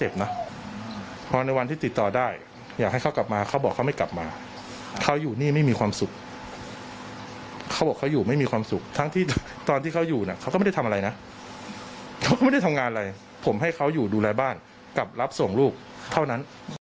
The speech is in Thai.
บอกเขาไม่กลับมาเขาอยู่นี่ไม่มีความสุขเขาบอกเขาอยู่ไม่มีความสุขทั้งที่ตอนที่เขาอยู่นะเขาก็ไม่ได้ทำอะไรนะเขาก็ไม่ได้ทำงานอะไรผมให้เขาอยู่ดูแลบ้านกลับรับส่งลูกเท่านั้น